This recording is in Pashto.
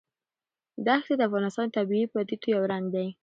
دښتې د افغانستان د طبیعي پدیدو یو رنګ دی.